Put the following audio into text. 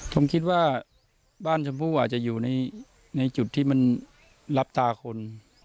ผมคิดว่าบ้านชมพู่อาจจะอยู่ในจุดที่มันรับตาคน